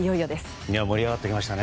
盛り上がってきましたね。